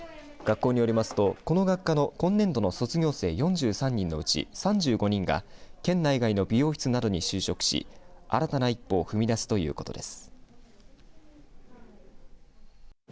学校によりますとこの学科の今年度の卒業生４３人のうち３５人が県内外の美容室などに就職し新たな一歩を踏み出すということです。